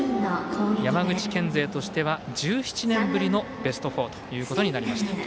山口県勢としては１７年ぶりのベスト４となりました。